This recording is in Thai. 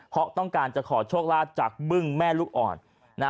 เพราะต้องการจะขอโชคลาภจากบึ้งแม่ลูกอ่อนนะ